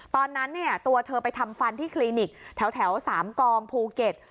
ตอนนั้นเนี่ยตัวเธอไปทำฟันที่คลินิกแถว๓กองภูเก็ต